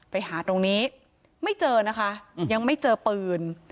ไปหาตรงนี้ไม่เจอนะคะยังไม่เจอปืน